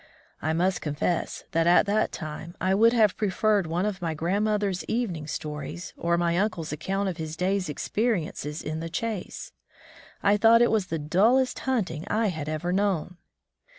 I must confess that at that time I would have preferred one of grandmother's evening stories, or my uncle's account of his day's experiences in the chase. I thought it was the dullest himting I had ever known!